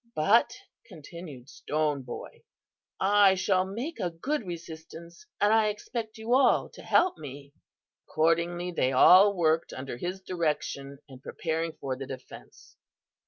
"'But,' continued Stone Boy, 'I shall make a good resistance, and I expect you all to help me.' "Accordingly they all worked under his direction in preparing for the defence.